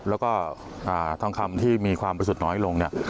แล้วก็ทองคำที่มีความบริสุทธิ์น้อยลงเนี่ย